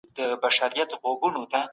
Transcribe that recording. عام افغانان بهر ته د سفر ازادي نه لري.